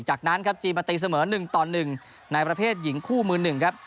จากนั้นครับจีนมาตีเสมอ๑ต่อ๑ในประเภทหญิงคู่มือ๑ครับ